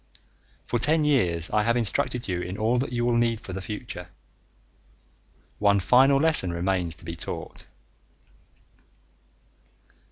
For ten years I have instructed you in all that you will need for the future. One final lesson remains to be taught.